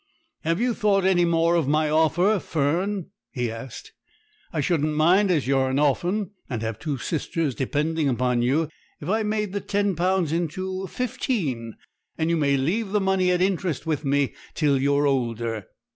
'Have you thought any more of my offer, Fern?' he asked. 'I shouldn't mind, as you are an orphan, and have two sisters depending upon you, if I made the ten pounds into fifteen; and you may leave the money at interest with me till you are older.'